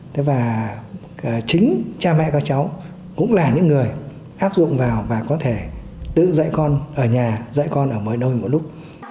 thế và chính cha mẹ các cháu cũng là những người áp dụng vào và có thể tự dạy con ở nhà dạy con ở mọi nơi một lúc